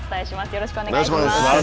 よろしくお願いします。